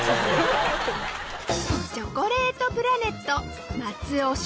チョコレートプラネット松尾駿